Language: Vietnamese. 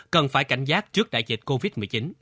cần phải cảnh giác trước đại dịch covid một mươi chín